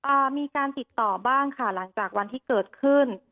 อ่ามีการติดต่อบ้างค่ะหลังจากวันที่เกิดขึ้น